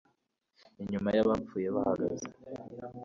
Imyuka yabapfuye bahagaze